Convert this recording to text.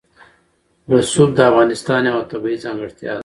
رسوب د افغانستان یوه طبیعي ځانګړتیا ده.